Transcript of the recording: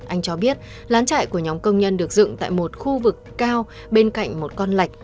anh cho biết lán chạy của nhóm công nhân được dựng tại một khu vực cao bên cạnh một con lạch